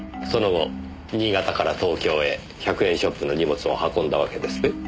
その後新潟から東京へ１００円ショップの荷物を運んだわけですね。